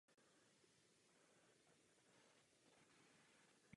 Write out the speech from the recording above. Je k půlnoci.